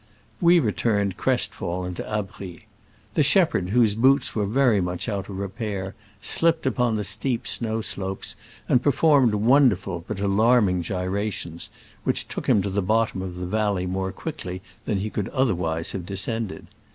We returned crest fallen to Abries. The shepherd, whose boots were very much out of repair, slipped upon the steep snow slopes and performed won derful but alarming gyrations, which took him to the bottom of the valley more .quickly than he could otherwise have * descended.